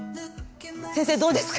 先生どうですか？